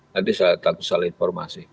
nanti saya tanya soal informasi